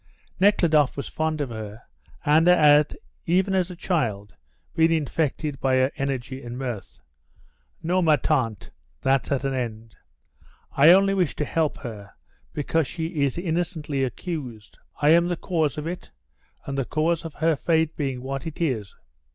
Nekhludoff was fond of her and had even as a child been infected by her energy and mirth. "No, ma tante, that's at an end. I only wish to help her, because she is innocently accused. I am the cause of it and the cause of her fate being what it is.